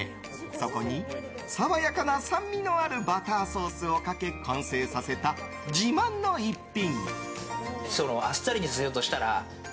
そこに爽やかな酸味のあるバターソースをかけ完成させた自慢の一品。